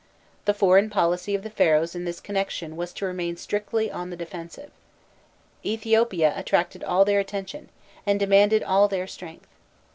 The foreign policy of the Pharaohs in this connexion was to remain strictly on the defensive. Ethiopia attracted all their attention, and demanded all their strength.